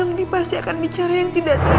dandi pasti akan bicara yang tidak tidak